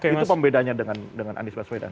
itu pembedanya dengan anies baswedan